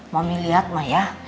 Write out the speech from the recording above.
mami liat mah ya